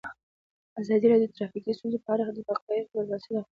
ازادي راډیو د ټرافیکي ستونزې په اړه د حقایقو پر بنسټ راپور خپور کړی.